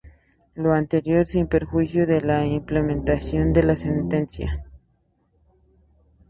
Lo anterior, sin perjuicio de la implementación de la sentencia.